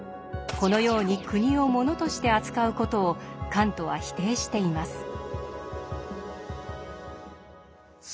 このように国を物として扱う事をカントは否定しています。